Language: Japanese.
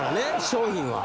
商品は。